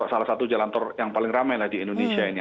salah satu jalan tol yang paling ramai di indonesia ini